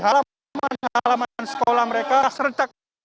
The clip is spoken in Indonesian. alaman sekolah mereka seretak